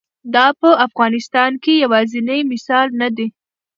دا په افغانستان کې یوازینی مثال نه دی.